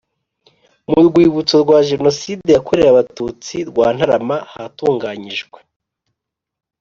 Mu rwibutso rwa Jenoside yakorewe Abatutsi rwa Ntarama hatunganyijwe